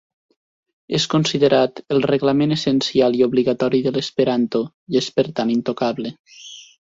És considerat el reglament essencial i obligatori de l'esperanto i és per tant intocable.